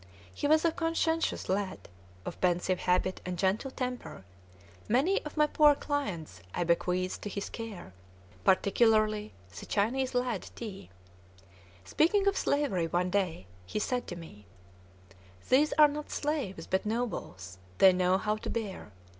He was a conscientious lad, of pensive habit and gentle temper; many of my poor clients I bequeathed to his care, particularly the Chinese lad Ti. Speaking of slavery one day, he said to me: "These are not slaves, but nobles; they know how to bear.